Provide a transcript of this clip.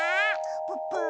プップー。